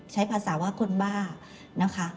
ใช้ภาษาว่าคนบ้านะคะ